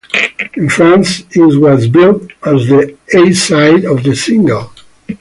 In France, it was billed as the A-side of the single.